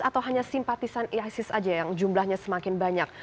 atau hanya simpatisan isis saja yang jumlahnya semakin banyak